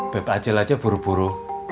bebek acil aja buru buru